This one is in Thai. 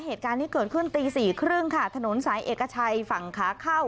เหตุการณ์นี้เกิดขึ้นตีสี่ครึ่งค่ะถนนสายเอกชัยฝั่งขาเข้า